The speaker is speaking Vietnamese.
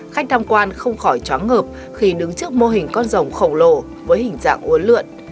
khách tham quan không khỏi chóng ngợp khi đứng trước mô hình con rồng khổng lồ với hình dạng uốn lượn